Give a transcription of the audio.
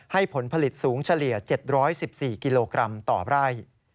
ผลผลิตสูงเฉลี่ย๗๑๔กิโลกรัมต่อไร่